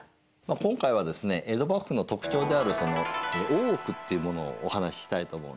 今回はですね江戸幕府の特徴である「大奥」っていうものをお話ししたいと思うんですね。